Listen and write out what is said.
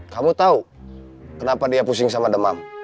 kamu tahu kenapa dia pusing sama demam